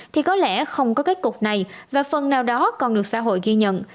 thì có lẽ không có các cục này và phần nào đó còn được xã hội ghi nhận